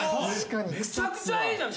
めちゃくちゃいいじゃん！